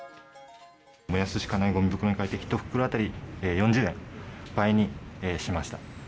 燃やすしかないごみ袋に変えて、１袋当たり４０円、倍にしました。